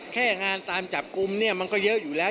แค่งานตามจับกลุ่มเนี่ยมันก็เยอะอยู่แล้ว